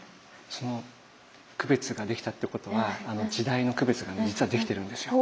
その区別ができたっていうことは時代の区別が実はできてるんですよ。